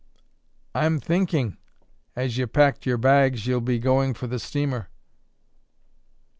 "I'm thinking, as ye packed yer bags, ye'll be going for the steamer."